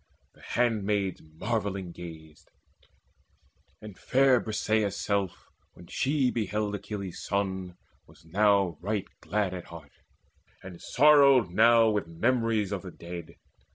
The handmaids marvelling gazed; And fair Briseis' self, when she beheld Achilles' son, was now right glad at heart, And sorrowed now with memories of the dead.